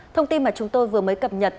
thông tin mà chúng tôi vừa mới cập nhật